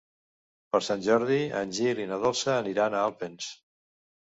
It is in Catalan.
Per Sant Jordi en Gil i na Dolça aniran a Alpens.